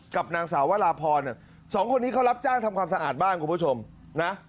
กับนางสาววราพรสองคนนี้เขารับจ้างทำความสะอาดบ้านคุณผู้ชมนะ